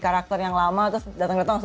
kita gak rh e